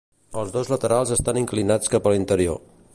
Els dos laterals estan inclinats cap a l'interior.